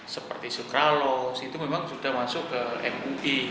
seperti sukalos itu memang sudah masuk ke mui